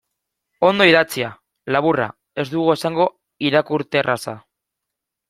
Ondo idatzia, laburra, ez dugu esango irakurterraza.